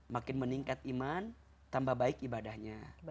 makin meningkat iman tambah baik ibadahnya